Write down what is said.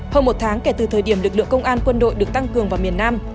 hơn một tháng kể từ thời điểm lực lượng công an quân đội được tăng cường vào miền nam